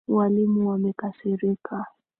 Walimu wamekasirika.